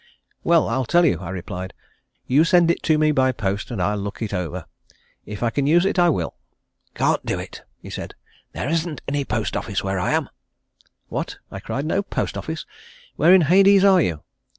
"Well, I'll tell you," I replied; "you send it to me by post and I'll look it over. If I can use it I will." "Can't do it," said he. "There isn't any post office where I am." "What?" I cried. "No post office? Where in Hades are you?"